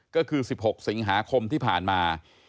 ก็คือ๑๖สิงหาคมที่ผ่านมา